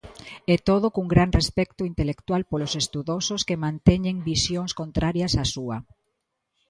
E todo cun gran respecto intelectual polos estudosos que manteñen visións contrarias á súa.